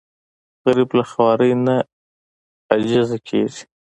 غریب له خوارۍ نه عاجز نه کېږي